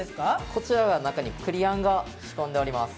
◆こちらは中に栗あんが仕込んであります。